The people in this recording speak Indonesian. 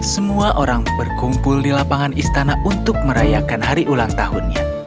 semua orang berkumpul di lapangan istana untuk merayakan hari ulang tahunnya